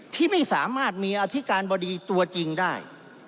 ที่ไม่สามารถมีอธิการบดีตัวจริงได้